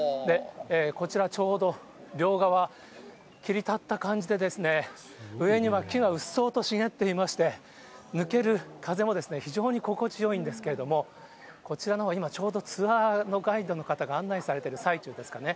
こちら、ちょうど両側、切り立った感じで、上には木がうっそうと茂っていまして、抜ける風も非常に心地よいんですけれども、こちらのほうが、今ちょうどツアーのガイドの方が案内されてる最中ですかね。